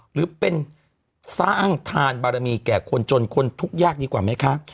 หรือเป็นสร้างทานบารมีแก่คนจนคนทุกข์ยากดีกว่าไหมคะ